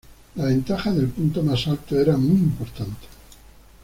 La ventaja del punto más alto era muy importante.